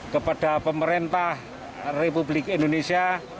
kepada pemerintah republik indonesia